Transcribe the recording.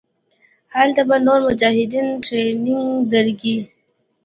هلته به نور مجاهدين ټرېننګ دركي.